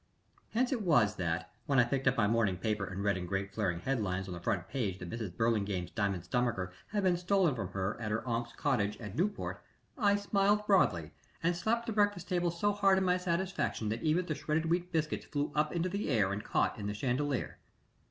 Hence in was that, when I picked up my morning paper and read in great flaring head lines on the front page that Mrs. Burlingame's diamond stomacher had been stolen from her at her Onyx Cottage at Newport, I smiled broadly, and slapped the breakfast table so hard in my satisfaction that even the shredded wheat biscuits flew up into the air and caught in the chandelier.